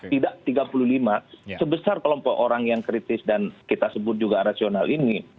tidak tiga puluh lima sebesar kelompok orang yang kritis dan kita sebut juga rasional ini